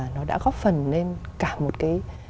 nó đã góp phần lên cả một cái